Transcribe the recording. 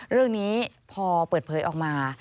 เรื่องนี้พอเปิดเผยออกมา